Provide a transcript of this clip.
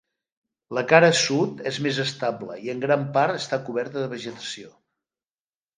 La cara sud és més estable i en gran part està coberta de vegetació.